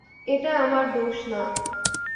এটা আমার দোষ না।